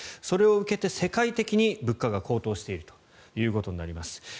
それを受けて、世界的に物価が高騰していることになります。